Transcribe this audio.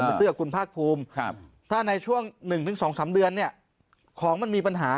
เสื้อคุณภาคภูมิถ้าในช่วง๑๒๓เดือนเนี่ยของมันมีปัญหา